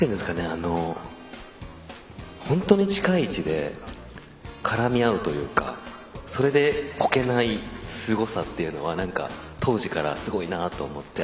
本当に近い位置で絡み合うというかそれで、こけないすごさっていうのは当時からすごいなと思って。